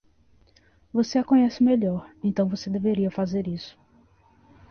Você a conhece melhor, então você deveria fazer isso.